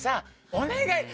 お願い！